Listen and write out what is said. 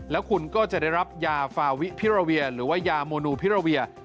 แล้วคุณก็จะได้รับยาฟาวิพิราเวียหรือว่ายาโมนูพิราเวีย